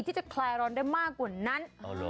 จะคลายร้อนได้มากกว่านั้น